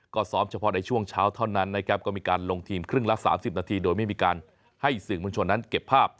ก็ซ้อมเฉพาะในช่วงเช้าเท่านั้นนะครับก็มีการลงทีมครึ่งละ๓๐นาทีโดยไม่มีการให้สื่อมวลชนนั้นเก็บภาพ